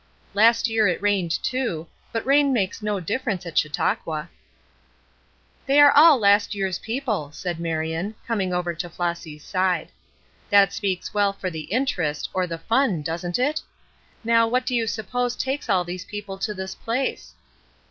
"Last year it rained, too; but rain makes no difference at Chautauqua." "They are all last year's people," said Marion, coming over to Flossy's side. "That speaks well for the interest, or the fun, doesn't it? Now what do you suppose takes all these people to this place?"